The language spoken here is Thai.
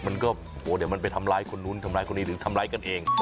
มันก็โอ้โหเดี๋ยวมันไปทำร้ายคนนู้นทำร้ายคนนี้หรือทำร้ายกันเอง